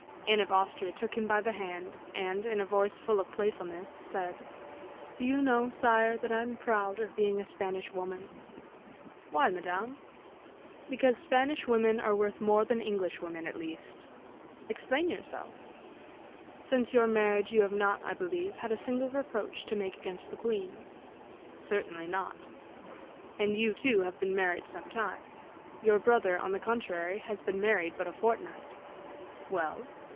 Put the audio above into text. Anne of Austria took him by the hand, and, in a voice full of playfulness, said, "Do you know, sire that I am proud of being a Spanish woman?" "Why, madame?" "Because Spanish women are worth more than English women at least." "Explain yourself." "Since your marriage you have not, I believe, had a single reproach to make against the queen." "Certainly not." "And you, too, have been married some time. Your brother, on the contrary, has been married but a fortnight." "Well?"